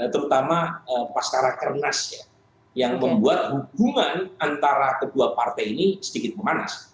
terutama pasara kernas ya yang membuat hubungan antara kedua partai ini sedikit memanas